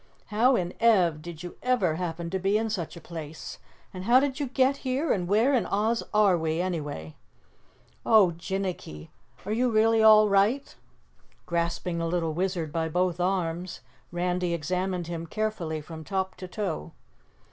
"How in Ev did you ever happen to be in such a place, how did you get here and where in Oz are we, anyway?" "Oh, Jinnicky, are you really all right?" Grasping the little Wizard by both arms, Randy examined him carefully from top to toe.